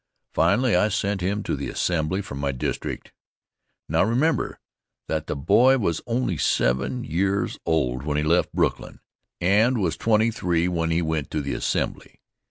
Finally, I sent him to the Assembly from my district Now remember that the boy was only seven years old when he left Brooklyn, and was twenty three when he went to the Assembly.